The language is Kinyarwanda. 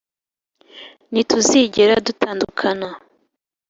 ntituzigera dutandukana.